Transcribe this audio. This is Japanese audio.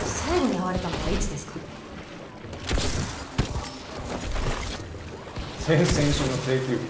ああ先々週の定休日。